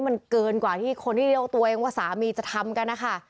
มันเกินกว่าที่คนที่เรียกตัวเองว่าสามีจะทำกันนะคะ